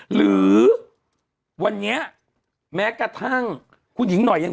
หรือวันนี้แม้กระทั่งคุณหญิงหน่อยยัง